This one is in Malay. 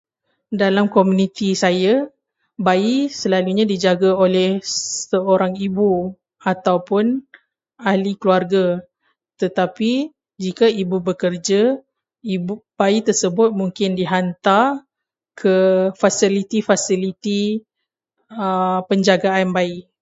Dalam komuniti saya, bayi selalunya dijaga oleh seorang ibu ataupun ahli keluarga. Tetapi jika ibu bekerja, bayi tersebut mungkin dihantar ke fasiliti-fasiliti penjagaan bayi.